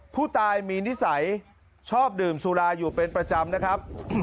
ผู้ตายมีนิสัยชอบดื่มสุราอยู่เป็นประจำนะครับ